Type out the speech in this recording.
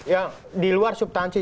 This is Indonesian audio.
ya di luar subtansi